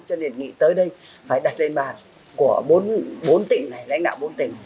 cho đề nghị tới đây phải đặt lên bàn của bốn tỉnh này lãnh đạo bốn tỉnh